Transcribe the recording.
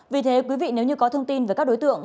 vì thế quý vị nếu như có thông tin về các đối tượng